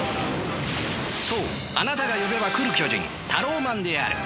そうあなたが呼べば来る巨人タローマンである。